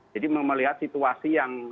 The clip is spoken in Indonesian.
jadi melihat situasi yang